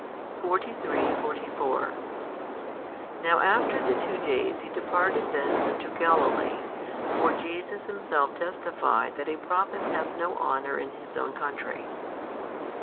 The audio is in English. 43, 44 Now after the two days He departed thence unto Galilee. For Jesus Himself testified that a prophet hath no honour in his own country.